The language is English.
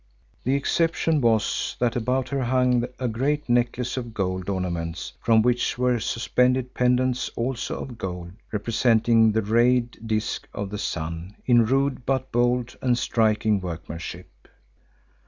The exception was that about her hung a great necklace of gold ornaments from which were suspended pendants also of gold representing the rayed disc of the sun in rude but bold and striking workmanship.